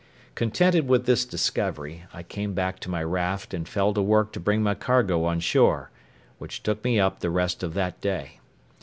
Contented with this discovery, I came back to my raft, and fell to work to bring my cargo on shore, which took me up the rest of that day.